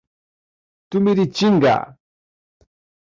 Tumiritinga